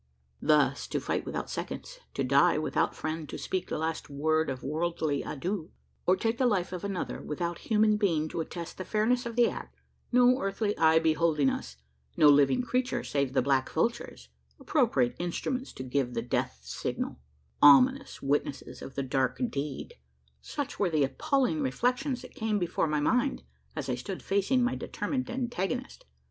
Thus to fight without seconds; to die without friend to speak the last word of worldly adieu; or to take the life of another, without human being to attest the fairness of the act no earthly eye beholding us no living creature save the black vultures appropriate instruments to give the death signal ominous witnesses of the dark deed: such were the appalling reflections that came before my mind, as I stood facing my determined antagonist.